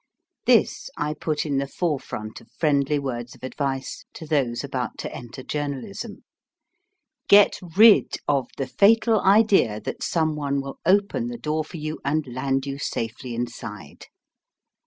This I put in the forefront of friendly words of advice to those about to enter journalism. Get rid of the fatal idea that some one will open the door for you and land you safely inside.